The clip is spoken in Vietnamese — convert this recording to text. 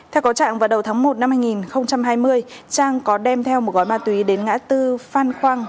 theo có trạng vào đầu tháng một năm hai nghìn hai mươi trang có đem theo một gói ma túy đến ngã tư phan khoang